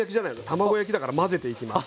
卵焼きだから混ぜていきます。